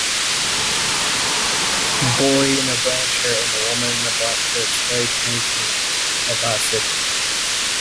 Boy in a brown shirt and woman in a black shirt spray painting a bicycle.